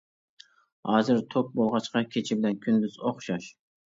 ھازىر توك بولغاچقا كېچە بىلەن كۈندۈز ئوخشاش.